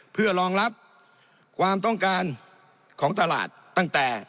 เพื่อรองรับความต้องการของตลาดตั้งแต่